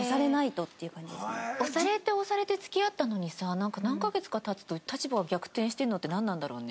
押されて押されて付き合ったのにさなんか何カ月か経つと立場が逆転してるのってなんなんだろうね？